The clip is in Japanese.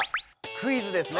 クイズですね。